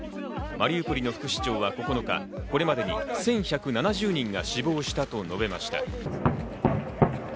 マリウポリの副市長は９日、これまでに１１７０人が死亡したと述べました。